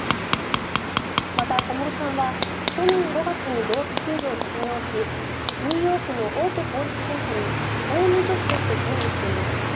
また、小室さんは去年５月にロースクールを卒業しニューヨークの大手法律事務所に法務助手として勤務しています。